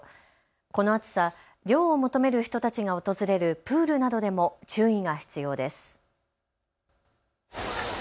この暑さ、涼を求める人たちが訪れるプールなどでも注意が必要です。